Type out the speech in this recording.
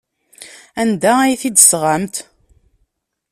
Anda ay t-id-tesɣamt?